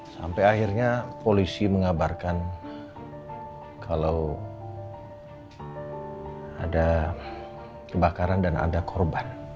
sampai akhirnya polisi mengabarkan kalau ada kebakaran dan ada korban